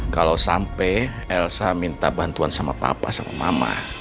kalau sampai elsa minta bantuan sama papa sama mama